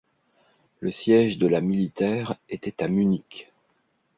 Le siège de la militaire était à Munich.